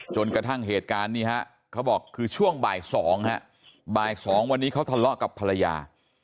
จนกระทั่งเหตุการณ์นี้ฮะเขาบอกคือช่วงบ่าย๒ฮะบ่าย๒วันนี้เขาทะเลาะกับภรรยา